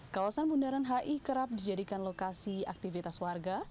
kawasan bundaran hi kerap dijadikan lokasi aktivitas warga